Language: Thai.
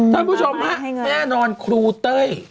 ท่านผู้ชมฮะแน่นอนครูเต้ย